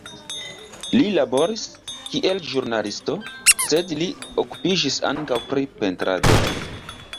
Li laboris, kiel ĵurnalisto, sed li okupiĝis ankaŭ pri pentrado.